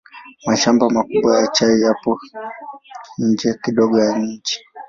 Mashamba makubwa ya chai yapo nje kidogo ya mji.